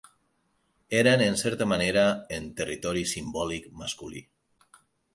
Eren, en certa manera, en "territori simbòlic" masculí.